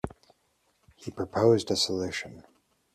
He proposed a solution.